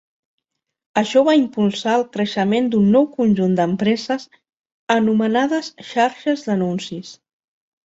Això va impulsar el creixement d'un nou conjunt d'empreses anomenades Xarxes d'anuncis.